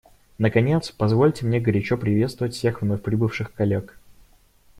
Наконец, позвольте мне горячо приветствовать всех вновь прибывших коллег.